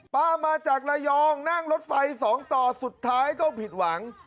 มาจากระยองนั่งรถไฟสองต่อสุดท้ายต้องผิดหวัง